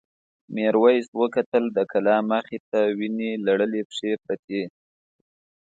میرويس وکتل د کلا مخې ته وینې لړلې پښې پرتې.